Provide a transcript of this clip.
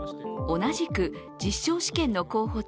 同じく実証試験の候補地